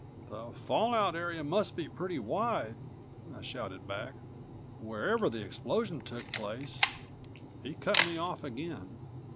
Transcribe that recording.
"The fallout area must be pretty wide!" I shouted back. "Wherever the explosion took place " He cut me off again.